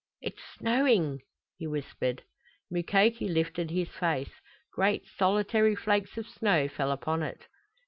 "It's snowing!" he whispered. Mukoki lifted his face. Great solitary flakes of snow fell upon it.